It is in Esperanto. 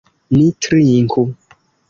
Ni trinku!